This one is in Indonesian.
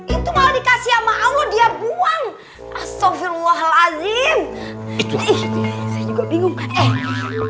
itu mau dikasih sama allah dia buang astagfirullahaladzim itu bingung